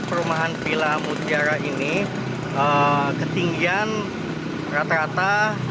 perumahan villa mutiara ini ketinggian rata rata tiga puluh